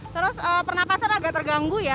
terus pernafasan agak terganggu ya